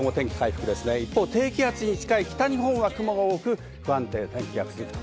低気圧に近い北日本は雲が多く、不安定な天気が続きます。